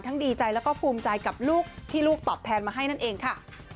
ดีใจแล้วก็ภูมิใจกับลูกที่ลูกตอบแทนมาให้นั่นเองค่ะ